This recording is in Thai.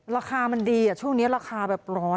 ราคามันดีอะช่วงนี้ราคาแบบร้อย